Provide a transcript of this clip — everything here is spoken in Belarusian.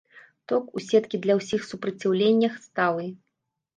Ток у сеткі для ўсіх супраціўленнях сталы.